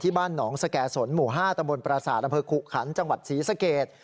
บ้านหนองสแก่สนหมู่๕ตำบลประสาทอำเภอขุขันจังหวัดศรีสเกต